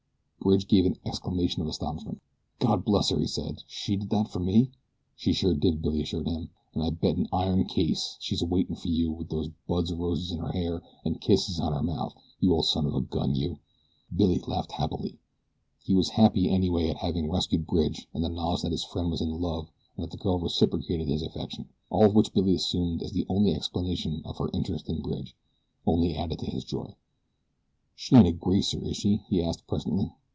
Bridge gave an exclamation of astonishment. "God bless her!" he said. "She did that for me?" "She sure did," Billy assured him, "an' I'll bet an iron case she's a waitin' for you there with buds o' roses in her hair an' kisses on her mouth, you old son of a gun, you." Billy laughed happily. He was happy anyway at having rescued Bridge, and the knowledge that his friend was in love and that the girl reciprocated his affection all of which Billy assumed as the only explanation of her interest in Bridge only added to his joy. "She ain't a greaser is she?" he asked presently.